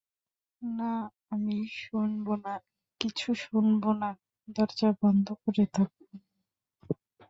না, আমি শুনব না, কিচ্ছু শুনব ন, দরজা বন্ধ করে থাকব।